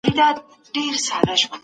اوس خو پوره تر دوو بـجــو ويــښ يـــم